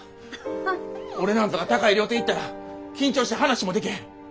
俺なんぞが高い料亭行ったら緊張して話もできへん。